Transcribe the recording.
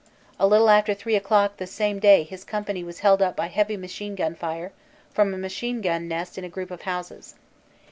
A little after three o clock the same day his company was held up by heavy machine gun fire from a machine gun nest in a group of houses.